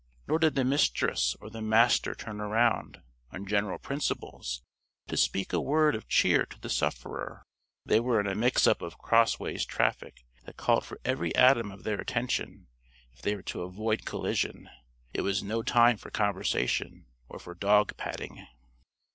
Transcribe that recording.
Nor did the Mistress, or the Master turn around, on general principles, to speak a word of cheer to the sufferer. They were in a mixup of crossways traffic that called for every atom of their attention, if they were to avoid collision. It was no time for conversation or for dog patting.